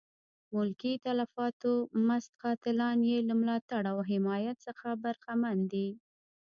ملکي تلفاتو مست قاتلان یې له ملاتړ او حمایت څخه برخمن دي.